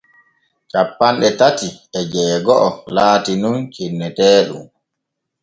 Cappanɗe tati e jeego’o laati nun cenneteeɗum.